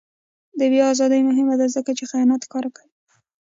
د بیان ازادي مهمه ده ځکه چې خیانت ښکاره کوي.